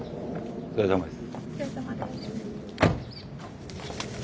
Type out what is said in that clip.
お疲れさまです。